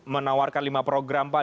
menawarkan lima program pak